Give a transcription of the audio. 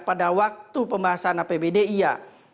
pada waktu pembahasan apbd iya